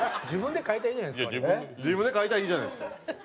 自分で描いたらいいじゃないですか。